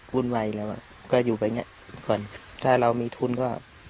วุ่นวัยแล้วอ่ะก็อยู่แบบเนี้ยก่อนถ้าเรามีทุนก็